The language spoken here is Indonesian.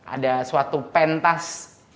ada suatu pentas